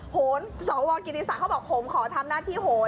โหนสหวังกิติศาสตร์เขาบอกผมขอทำหน้าที่โหน